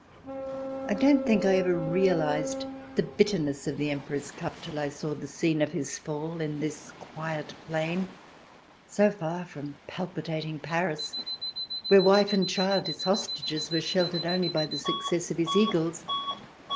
I don't think I ever realized the bitterness of the Emperor's cup till I saw the scene of his fall, in this quiet plain, so far from palpitating Paris, where wife and child, his hostages, were sheltered only by the success of his Eagles.